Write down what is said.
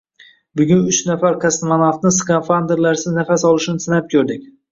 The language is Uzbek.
Bugun uch nafar kosmonavtni skafandrlarsiz nafas olishini sinab ko`rdik